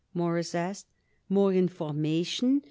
Morris asked. "More information?